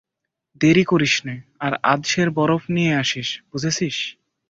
দেরি করিস নে, আর আধ সের বরফ নিয়ে আসিস, বুঝেছিস?